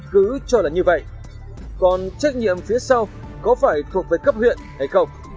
cứ cho là như vậy còn trách nhiệm phía sau có phải thuộc về cấp huyện hay không